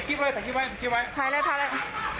พี่พี่ต้องรู้ทำเนื้อตัวเอง